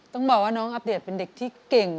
ต้องบอกว่าน้องอัปเดตเป็นเด็กที่เก่ง